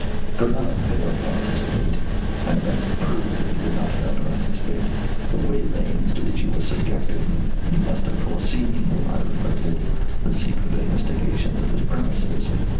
He could not have failed to anticipate and events have proved that he did not fail to anticipate the waylayings to which he was subjected. He must have foreseen, I reflected, the secret investigations of his premises.